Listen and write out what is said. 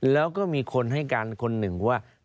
แล้วก็มีคนให้การคนหนึ่งว่า